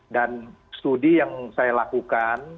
dan studi yang saya lakukan